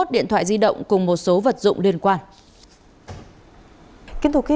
hai mươi điện thoại di động cùng một số vật dụng liên quan